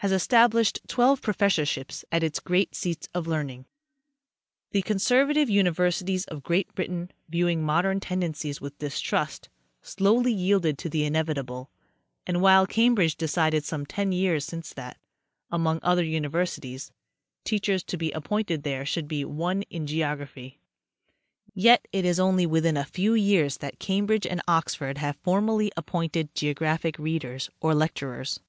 D., has estab lished twelve professorships at its great seats of learning. The conservative universities of Great Britain, viewing modern ten dencies with distrust, slowly yielded to the inevitable, and while Cambridge decided some ten years since that, among other uni versities, teachers to be appointed there should be one in geog raphy, yet it is only within a few years that Cambridge and Oxford have formally appointed geographic readers or lecturers.